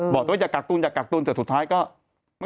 บอกว่าอยากกักตุนอยากกักตุนแต่สุดท้ายก็มันก็มีปัญหาแบบนี้